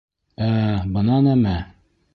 Ә-ә, бына нәмә!